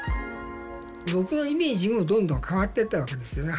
僕のイメージもどんどん変わってったわけですよね。